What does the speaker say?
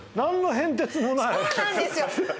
そうなんですよ！